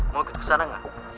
mau ikut kesana ga